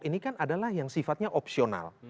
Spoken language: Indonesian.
ini kan adalah yang sifatnya opsional